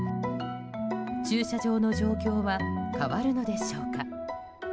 駐車場の状況は変わるのでしょうか。